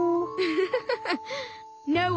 フフフ。